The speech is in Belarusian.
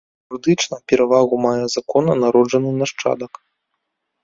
Юрыдычна перавагу мае законна народжаны нашчадак.